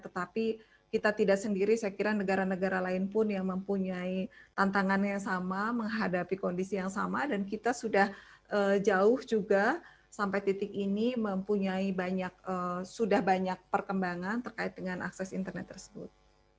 tetapi kita tidak sendiri saya kira negara negara lain pun yang mempunyai tantangan yang sama menghadapi kondisi yang sama dan kita sudah jauh juga sampai titik ini mempunyai banyak sudah banyak perkembangan terkait dengan akses internet tersebut